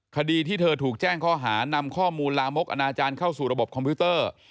คดีที่เธอถูกแจ้งข้อหานำข้อมูลลามกอนาจารย์เข้าสู่ระบบคอมพิวเตอร์